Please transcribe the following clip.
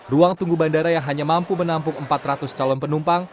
ruang tunggu bandara yang hanya mampu menampung empat ratus calon penumpang